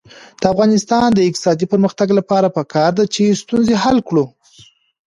د افغانستان د اقتصادي پرمختګ لپاره پکار ده چې ستونزه حل کړو.